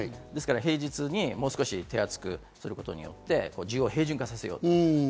平日にも少し手厚くすることによって需要を平準化させよう。